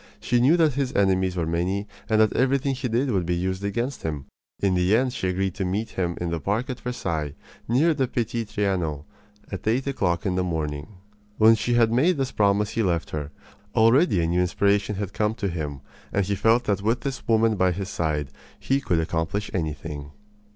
She knew that his enemies were many and that everything he did would be used against him. In the end she agreed to meet him in the park at Versailles, near the Petit Trianon, at eight o'clock in the morning. When she had made this promise he left her. Already a new inspiration had come to him, and he felt that with this woman by his side he could accomplish anything.